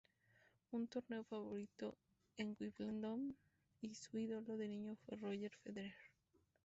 Un torneo favorito es Wimbledon y su ídolo de niño fue Roger Federer.